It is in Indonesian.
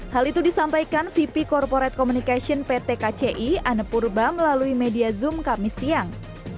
hal itu disampaikan vp corporate communication pt kci anne purba melalui media zoom kami siang